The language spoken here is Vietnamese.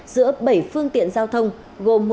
giữa bảy phương tiện giao thông gồm